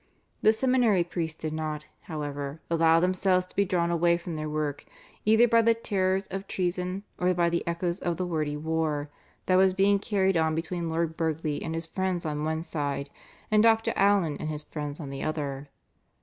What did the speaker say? The seminary priests did not, however, allow themselves to be drawn away from their work either by the terrors of treason or by the echoes of the wordy war, that was being carried on between Lord Burghley and his friends on one side, and Dr. Allen and his friends on the other.